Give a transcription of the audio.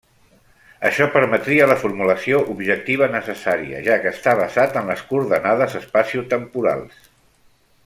Això permetria la formulació objectiva necessària, ja que està basa en les coordenades espaciotemporals.